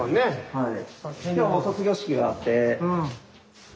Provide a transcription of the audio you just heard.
はい。